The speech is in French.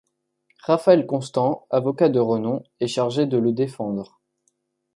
Raphaël Constant, avocat de renom, est chargé de le défendre.